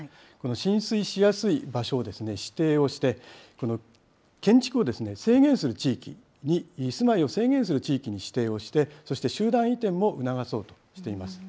浸水しやすい場所を指定をして、この建築を制限する地域に、住まいを制限する地域に指定をして、そして集団移転も促そうとしています。